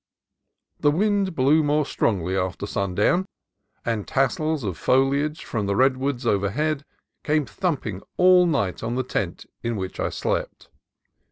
The wind blew more strongly after sundown, and tassels of foliage from the redwoods overhead came thumping all night on the tent in which I slept.